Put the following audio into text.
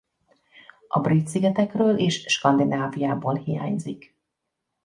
A Brit-szigetekről és Skandináviából hiányzik.